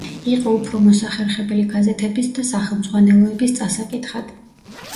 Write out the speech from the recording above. იყო უფრო მოსახერხებელი გაზეთების და სახელმძღვანელოების წასაკითხად.